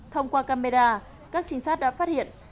thông qua camera các trinh sát đã phát hiện